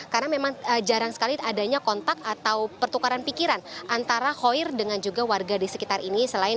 karena memang jarang sekali adanya kontak atau pertukaran pikiran antara hoyer dengan juga warga di sekitar ini